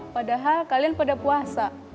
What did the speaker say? padahal kalian pada puasa